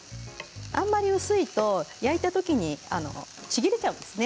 あんまり薄いと入れたときにちぎれてしまうんですね。